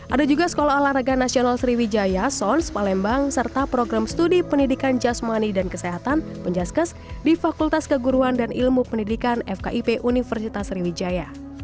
ada juga sekolah olahraga nasional sriwijaya sons palembang serta program studi pendidikan jasmani dan kesehatan penjaskes di fakultas keguruan dan ilmu pendidikan fkip universitas sriwijaya